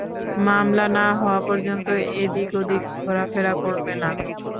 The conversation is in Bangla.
মামলা না হওয়া পর্যন্ত এদিক-ওদিক ঘোরাফেরা করবে না।